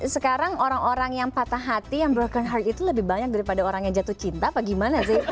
sekarang orang orang yang patah hati yang broken heart itu lebih banyak daripada orang yang jatuh cinta apa gimana sih